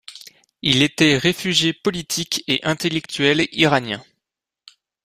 Il était réfugié politique et intellectuel iranien.